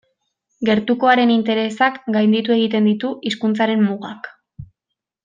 Gertukoaren interesak gainditu egiten ditu hizkuntzaren mugak.